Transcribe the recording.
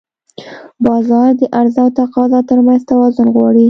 بازار د عرضه او تقاضا ترمنځ توازن غواړي.